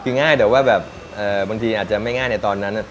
คือง่ายแต่ว่าแบบบางทีอาจจะไม่ง่ายในตอนนั้น